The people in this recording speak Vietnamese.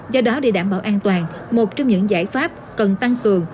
do đó để đảm bảo an toàn một trong những giải pháp cần tăng cường